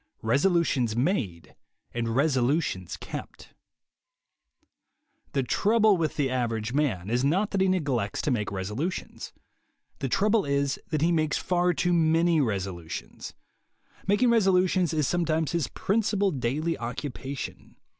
RESOLUTIONS MADE AND RESOLUTIONS KEPT HP HE trouble with the average man is not that he * neglects to make resolutions. The trouble is that he makes far too many resolutions. Making resolutions is sometimes his principal daily occu pation.